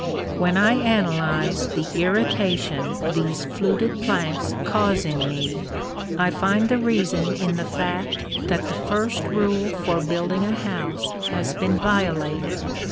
When I analyze the irritation these fluted planks cause in me, I find the reason in the fact that the first rule for building a house has been violated.